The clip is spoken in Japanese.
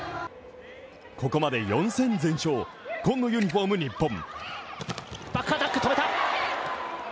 ここまで４戦全勝、紺のユニフォーム日本